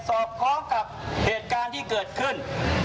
อดคล้องกับเหตุการณ์ที่เกิดขึ้น